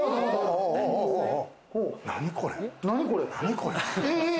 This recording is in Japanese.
何これ？